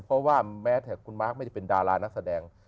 เพราะว่าแม้แต่คุณมาร์คไม่ได้เป็นดารานักแสดง